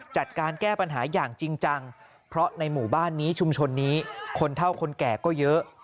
จัดการแก้ปัญหาอย่างจริงจังเพราะในหมู่บ้านนี้ชุมชนนี้คนเท่าคนแก่ก็เยอะ